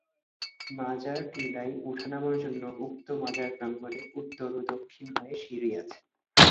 মাজার টিলায় উঠা নামার জন্য উক্ত মাজার প্রাঙ্গনে উত্তর ও দক্ষিণ হয়ে সিঁড়ি আছে।